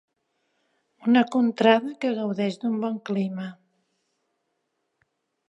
Una contrada que gaudeix d'un bon clima.